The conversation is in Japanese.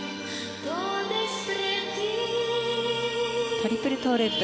トリプルトウループ。